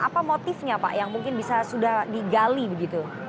apa motifnya pak yang mungkin bisa sudah digali begitu